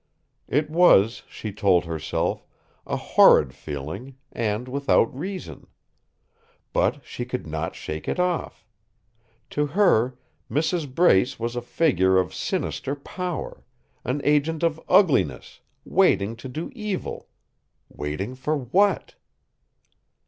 It was, she told herself, a horrid feeling, and without reason. But she could not shake it off. To her, Mrs. Brace was a figure of sinister power, an agent of ugliness, waiting to do evil waiting for what?